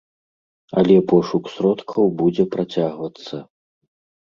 Але пошук сродкаў будзе працягвацца.